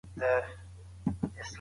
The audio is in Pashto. حکومت به نوي قانوني اصلاحات رامنځته کړي.